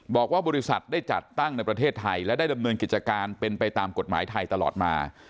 บอกว่าบริษัทได้จัดตั้งในประเทศไทยและได้ดำเนินกิจการเป็นไปตามกฎหมายไทยตลอดมา